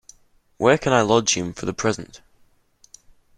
Where can I lodge him for the present?